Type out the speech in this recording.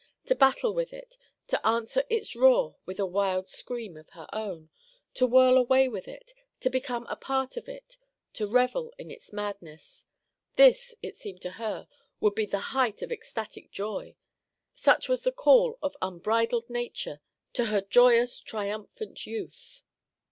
To battle with it; to answer its roar with a wild scream of her own; to whirl away with it; to become a part of it; to revel in its madness—this, it seemed to her, would be the height of ecstatic joy. Such was the call of unbridled nature to her joyous, triumphant youth.